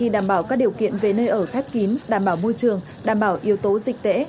để nơi ở khát kín đảm bảo môi trường đảm bảo yếu tố dịch tễ